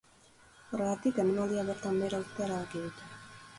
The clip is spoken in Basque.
Horregatik, emanaldia bertan behera uztea erabaki dute.